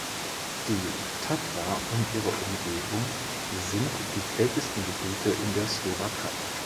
Die Tatra und ihre Umgebung sind die kältesten Gebiete in der Slowakei.